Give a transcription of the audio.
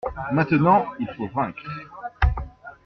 Maintenant il faut vaincre.